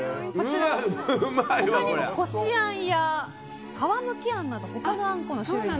他にも、こしあんや皮むきあんなど他のあんこの種類も。